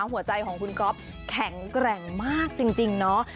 หัวใจของคุณก๊อฟแข็งแกร่งมากจริงเนาะ